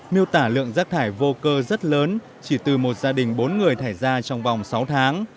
miêu tả lượng rác thải vô cơ rất lớn chỉ từ một gia đình bốn người thải ra trong vòng sáu tháng